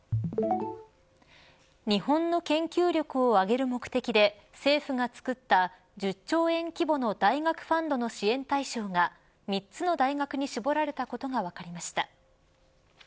日本の研究力を上げる目的で政府が作った１０兆円規模の大学ファンドの支援対象が３つの大学に絞られたことが分かりました。